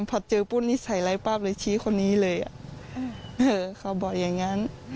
พอเจอผู้นิสัยไร้ปราบเลยชี้คนนี้เลยเขาบอกอย่างนั้น